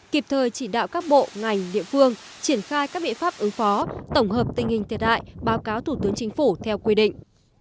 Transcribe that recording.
kịp thời chỉ đạo các bộ ngành địa phương triển khai các biện pháp ứng phó tổng hợp tình hình thiệt hại báo cáo thủ tướng chính phủ theo quy định